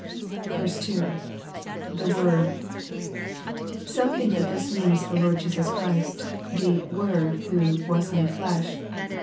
Z —[The WordJ] Some think that this means the Lord Jesus Christ, the " Word," who " was made flesh."